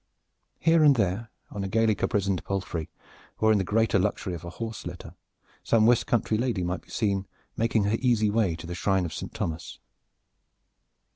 Here and there on a gaily caparisoned palfrey, or in the greater luxury of a horse litter, some West country lady might be seen making her easy way to the shrine of Saint Thomas.